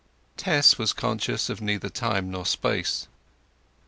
Tess was conscious of neither time nor space.